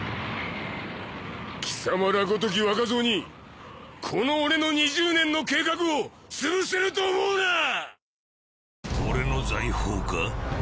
キサマらごとき若造にこの俺の２０年の計画をつぶせると思うなッ！